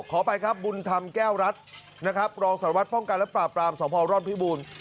ขออภัยครับบุญธรรมแก้วรัฐนะครับรองสารวัตรป้องกันและปราบปรามสมพร่อนพิบูรณ์